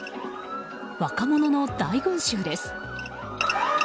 若者の大群衆です。